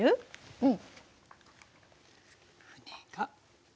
うん。